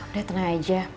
udah tenang ya